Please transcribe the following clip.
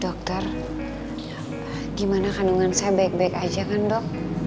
dokter gimana kandungan saya baik baik aja kan dok